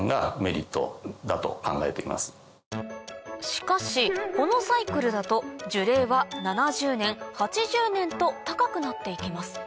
しかしこのサイクルだと樹齢は７０年８０年と高くなって行きます